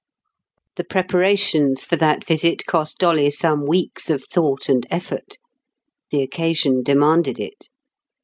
The preparations for that visit cost Dolly some weeks of thought and effort. The occasion demanded it.